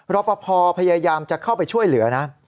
รอปภพยายามจะเข้าไปช่วยเหลือนะ